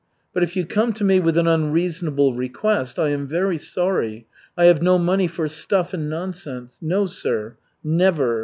But if you come to me with an unreasonable request, I am very sorry, I have no money for stuff and nonsense. No sir, never.